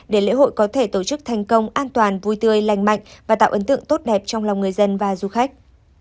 để lễ hội có thể tổ chức thành công an toàn vui tươi lành mạnh và tạo ấn tượng tốt đẹp trong lòng người dân và du khách